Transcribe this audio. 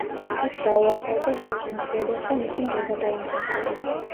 იქ დაუახლოვდა სულთნის დედას და მისი ნდობა დაიმსახურა.